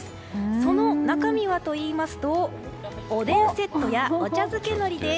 その中身はおでんセットやお茶漬け海苔です。